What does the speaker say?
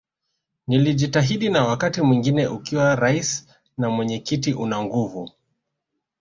Nilijitahidi na wakati mwingine ukiwa Rais na mwenyekiti una nguvu